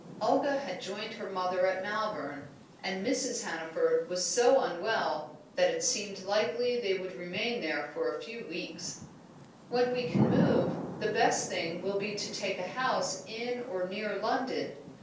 Olga had joined her mother at Malvern, and Mrs. Hannaford was so unwell that it seemed likely they would remain there for a few weeks. "When we can move, the best thing will be to take a house in or near London.